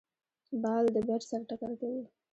بال د بېټ سره ټکر کوي.